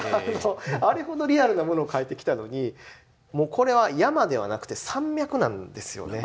あれほどリアルなものを書いてきたのにこれは「山」ではなくて「山脈」なんですよね。